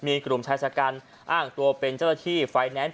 มีกลุ่มชายชะกันอ้างตัวเป็นเจ้าหน้าที่ไฟแนนซ์